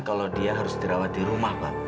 kalau dia harus dirawat di rumah pak